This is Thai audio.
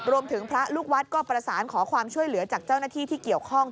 พระลูกวัดก็ประสานขอความช่วยเหลือจากเจ้าหน้าที่ที่เกี่ยวข้อง